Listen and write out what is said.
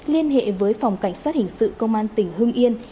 liên hệ với phòng cảnh sát hình sự công an tỉnh hưng yên